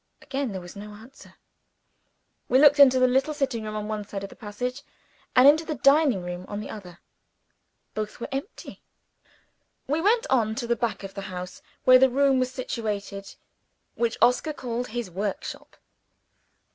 Again there was no answer. We looked into the little sitting room on one side of the passage, and into the dining room on the other. Both were empty. We went on to the back of the house, where the room was situated which Oscar called his workshop.